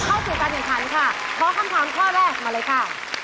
ข้อสินค้าในค้านี้ค่ะขอคำถามข้อแรกมาเลยค่ะ